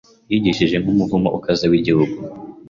yigishije nkumuvumo ukaze wigihugu